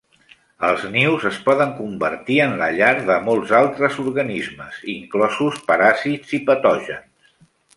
Els nius es poden convertir en la llar de molts altres organismes, inclosos paràsits i patògens.